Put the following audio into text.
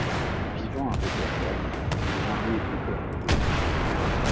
Vivant à Rotterdam, il est marié et père de deux enfants.